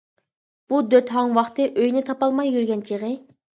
-بۇ دۆت، ھاڭۋاقتى. ئۆينى تاپالماي يۈرگەن چېغى.